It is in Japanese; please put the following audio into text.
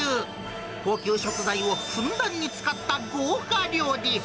高級食材をふんだんに使った豪華料理。